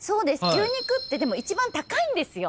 牛肉って一番高いんですよ。